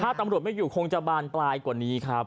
ถ้าตำรวจไม่อยู่คงจะบานปลายกว่านี้ครับ